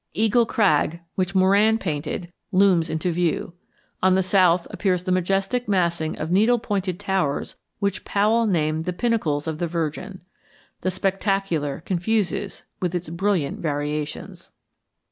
Eagle Crag, which Moran painted, looms into view. On the south appears the majestic massing of needle pointed towers which Powell named the Pinnacles of the Virgin. The spectacular confuses with its brilliant variations.